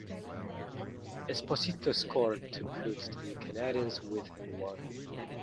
Esposito scored to put the Canadians within one.